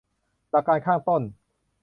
หลักการข้างต้น